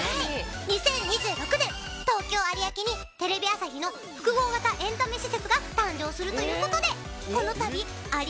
２０２６年東京有明にテレビ朝日の複合型エンタメ施設が誕生するという事でこの度えっすごい！